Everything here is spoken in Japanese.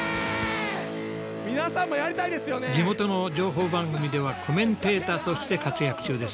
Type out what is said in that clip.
地元の情報番組ではコメンテーターとして活躍中です。